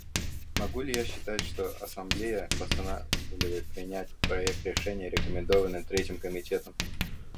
Могу ли я считать, что Ассамблея постановляет принять проект решения, рекомендованный Третьим комитетом?